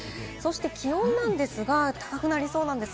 気温なんですが高くなりそうです。